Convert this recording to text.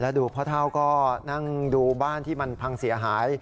ดูพ่อเท่าก็นั่งดูบ้านที่มันพังเสียหาย